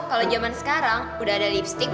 kalau zaman sekarang udah ada lipstick